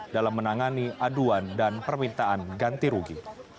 dalam menangani aduan dan permintaan ganti rugi